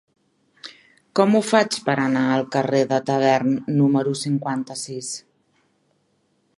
Com ho faig per anar al carrer de Tavern número cinquanta-sis?